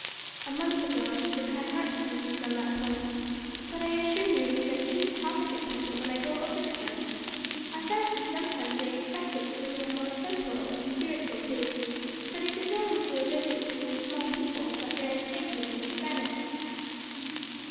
"A month ago I should have had heart sinkings on that point. But I assure you it is their chief topic at present when I go over to them. I fancy sometimes they expect it to bring to them more temporal than spiritual food; but it is owing to a visit from these small people that their antagonism has vanished."